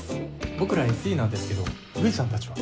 僕らＳＥなんですけど藤さんたちは？